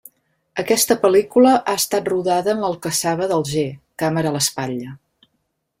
Aquesta pel·lícula ha estat rodada en l'Alcassaba d'Alger, càmera a l'espatlla.